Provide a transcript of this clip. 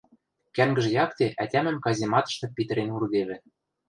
Кӓнгӹж якте ӓтямӹм казематышты питӹрен урдевӹ...